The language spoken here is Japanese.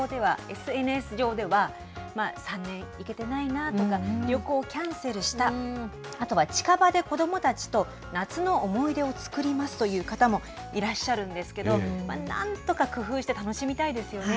ＳＮＳ上では、３年行けてないなとか、旅行キャンセルした、あとは近場で子どもたちと夏の思い出を作りますという方もいらっしゃるんですけど、なんとか工夫して楽しみたいですよね。